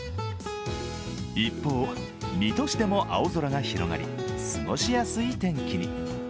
一方、水戸市でも青空が広がり過ごしやすい天気に。